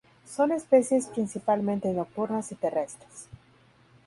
Son especies principalmente nocturnas y terrestres.